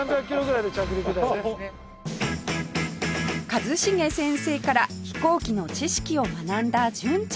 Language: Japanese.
一茂先生から飛行機の知識を学んだ純ちゃん